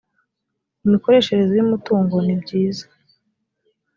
imikoreshereze y umutungo nibyiza